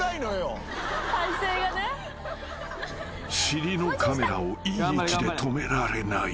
［尻のカメラをいい位置で止められない］